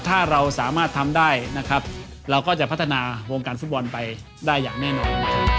ถ้าเราสามารถทำได้นะครับเราก็จะพัฒนาวงการฟุตบอลไปได้อย่างแน่นอน